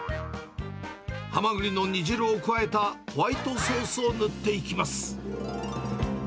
ハマグリの煮汁を加えたホワイトソースを塗っていきます。